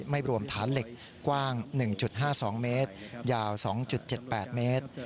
ไม่รวมฐานเหล็กกว้างหนึ่งจุดห้าสองเมตรยาวสองจุดเจ็ดแปดเมตร